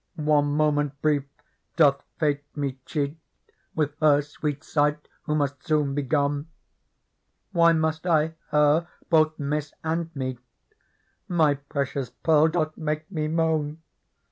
One moment brief doth FatAme cheat With her sweet sight who must soon be gone. Why must I her both miss and meet ? My precious Pearl doth make me moan.